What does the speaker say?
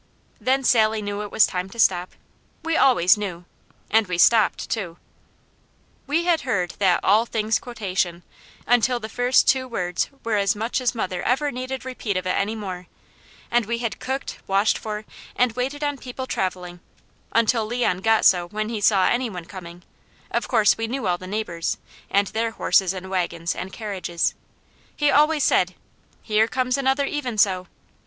Then Sally knew it was time to stop. We always knew. And we stopped, too! We had heard that "All things" quotation, until the first two words were as much as mother ever needed repeat of it any more, and we had cooked, washed for, and waited on people travelling, until Leon got so when he saw any one coming of course we knew all the neighbours, and their horses and wagons and carriages he always said: "Here comes another 'Even So!'"